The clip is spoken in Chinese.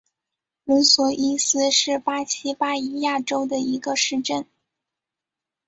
伦索伊斯是巴西巴伊亚州的一个市镇。